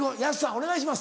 お願いします。